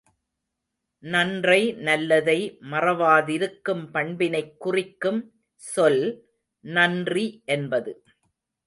நன்றை நல்லதை மறவாதிருக்கும் பண்பினைக் குறிக்கும் சொல் நன்றி என்பது.